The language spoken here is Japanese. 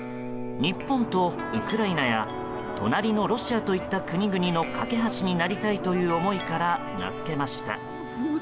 日本とウクライナや隣のロシアといった国々の架け橋になりたいという思いから名付けました。